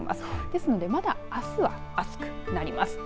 ですのでまだあすは暑くなります。